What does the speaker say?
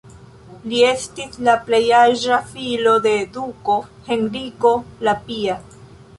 Li estis la plej aĝa filo de duko Henriko la Pia.